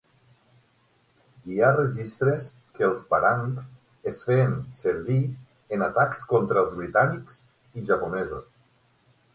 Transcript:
Hi ha registres que els parang es feien servir en atacs contra els britànics i japonesos.